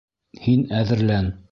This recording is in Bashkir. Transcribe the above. Һин әҙерлән!